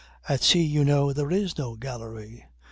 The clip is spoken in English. At sea, you know, there is no gallery.